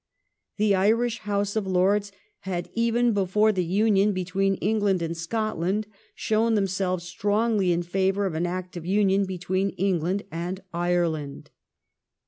The Irish House of Lords had even before the Union between England and Scotland shown them selves strongly in favour of an Act of Union between England and Ireland.